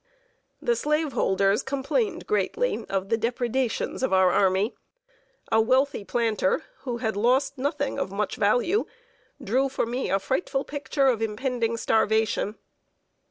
The slaveholders complained greatly of the depredations of our army. A very wealthy planter, who had lost nothing of much value, drew for me a frightful picture of impending starvation.